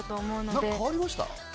何か変わりました？